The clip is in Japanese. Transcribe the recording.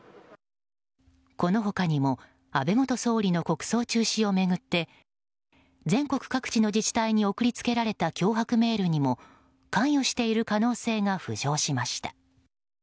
この他にも安倍元総理の国葬中止を巡って全国各地の自治体に送り付けられた脅迫メールにも関与している可能性が浮上しました。